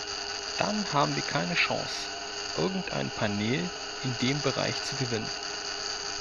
Dann haben wir keine Chance, irgendein panel in dem Bereich zu gewinnen.